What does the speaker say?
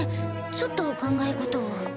ちょっと考え事を。